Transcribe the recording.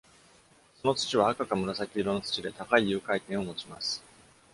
その土は赤か紫色の土で高い融解点を持ちます。